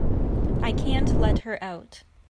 I can't let her out.